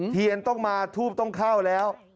เทียนต้องมาทูบต้องเข้าแล้ว